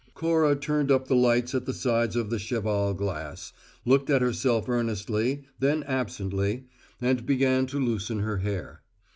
Cora turned up the lights at the sides of the cheval glass, looked at herself earnestly, then absently, and began to loosen her hair.